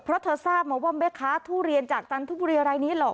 เพราะเธอทราบเหมือนว่าไหมคะทุเรียนจากจันทร์บุรีอะไรนี้หรอก